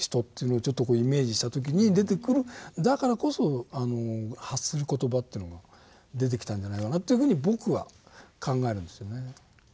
だからこそ発する言葉というのが出てきたんじゃないかなと僕は考えるんですよね。